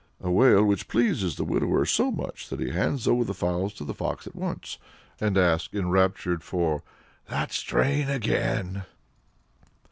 a wail which pleases the widower so much that he hands over the fowls to the fox at once, and asks, enraptured, for "that strain again!"